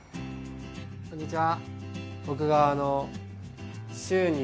こんにちは。